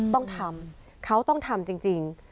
ต้องทำเขาต้องทำจริง